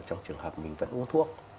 trong trường hợp mình vẫn uống thuốc